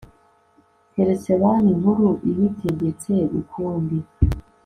keretse banki nkuru ibitegetse ukundi